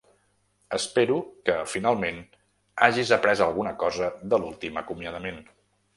Espero que finalment hagis après alguna cosa de l'últim acomiadament.